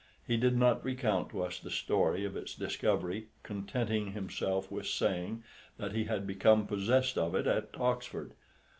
He did not recount to us the story of its discovery, contenting himself with saying that he had become possessed of it at Oxford.